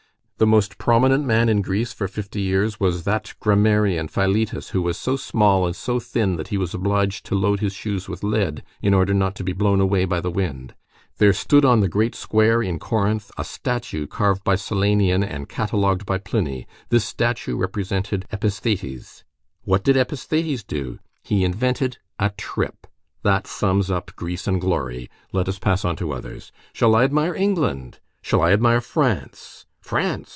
The most prominent man in Greece for fifty years was that grammarian Philetas, who was so small and so thin that he was obliged to load his shoes with lead in order not to be blown away by the wind. There stood on the great square in Corinth a statue carved by Silanion and catalogued by Pliny; this statue represented Episthates. What did Episthates do? He invented a trip. That sums up Greece and glory. Let us pass on to others. Shall I admire England? Shall I admire France? France?